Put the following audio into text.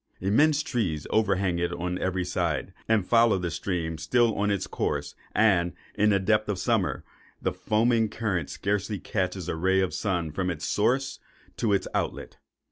Immense trees overhang it on every side, and follow the stream still on in its course; and, in the depth of summer, the foaming current scarcely catches a ray of the sun from its source to its outlet.